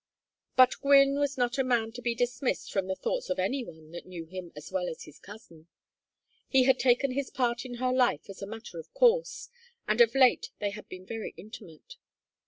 But Gwynne was not a man to be dismissed from the thoughts of any one that knew him as well as his cousin, He had taken his part in her life as a matter of course, and of late they had been very intimate.